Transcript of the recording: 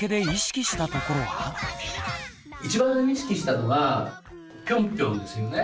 一番意識したのはピョンピョンですよね？